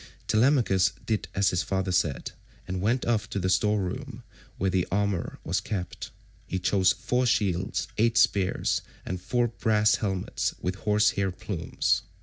Telemachus did as his father said, and went off to the store room where the armour was kept. He chose four shields, eight spears, and four brass helmets with horse hair plumes.